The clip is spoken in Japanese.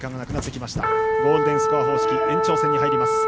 ゴールデンスコア方式延長戦に入ります。